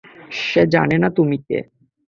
সে জানেনা তুমি কে।